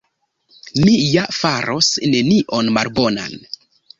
Mi ja faros nenion malbonan.